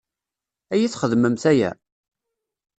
Ad iyi-txedmemt aya?